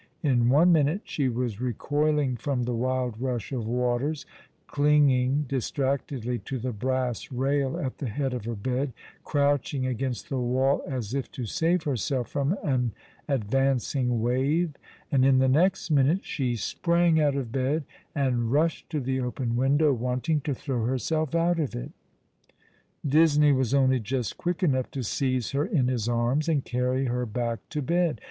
In one minute she was recoiling from the wild rush of waters, clinging distractedly to the brass rail at the head of her bed, crouching against the wall as if to save herself from an advancing wave ; and in the next minute she sprang out of bed, and rushed to the open window, wanting to throw herself out of it. Disney was only just quick enough to seize her in his arms, and carry her back to bed.